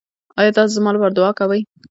ایا تاسو زما لپاره دعا کوئ؟